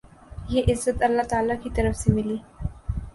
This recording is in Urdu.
یہ عزت اللہ تعالی کی طرف سے ملی۔